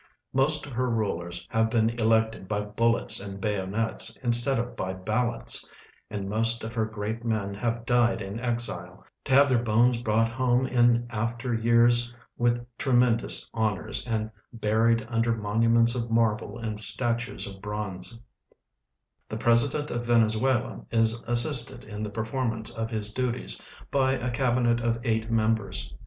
Most of her rulers have l)een elected l>y l)ullets and bayonets instead of by ballots, and most of her great men have died in exile, to have their l)ones brought home in after years with tremendous honors and buried under monuments of marble and statues of hronz(\ The president of Venezuela is assisted in the performance of his duties by a cabinet of eight memljers.